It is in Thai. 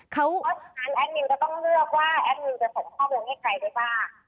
เพราะฉะนั้นแอดมิวจะต้องเลือกว่าแอดมิวจะส่งข้อมูลให้ใครได้บ้าง